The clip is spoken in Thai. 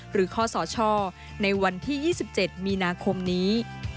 ข้อสชในวันที่๒๗มีนาคมนี้